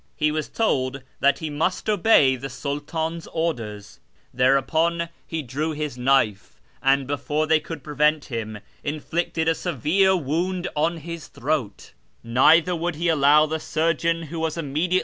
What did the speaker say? He was told that he must obey the Sultan's orders. Thereupon he drew his knife, and, before they could prevent him, inflicted a severe wound on his throat : neither would he allow the surgeon wlio 1 £30 sterling.